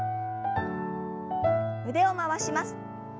腕を回します。